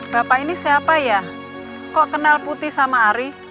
bapak ini siapa ya kok kenal putih sama ari